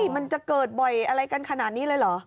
มันจะเกิดบ่อยอะไรกันขนาดนี้เลยเหรอ